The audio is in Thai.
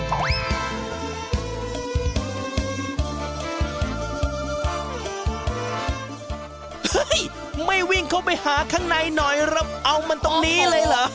เฮ้ยไม่วิ่งเข้าไปหาข้างในหน่อยเราเอามันตรงนี้เลยเหรอ